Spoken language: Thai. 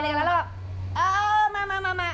แล้วแบบเออมา